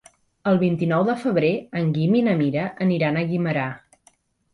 El vint-i-nou de febrer en Guim i na Mira aniran a Guimerà.